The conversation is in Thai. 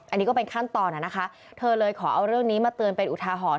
อันนี้ก็เป็นขั้นตอนนะคะเธอเลยขอเอาเรื่องนี้มาเตือนเป็นอุทาหรณ์